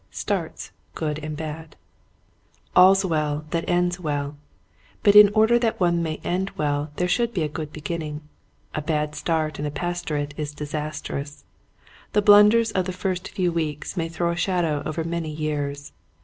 Starts Good and Bad, "All's well that ends well," but in order that one may end well there should be a good beginning. A bad start in a pastorate is disastrous. The blunders of the first few weeks may throw a shadow over many years.